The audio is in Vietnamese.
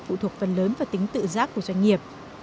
phụ thuộc phần lớn vào tính tự giác của doanh nghiệp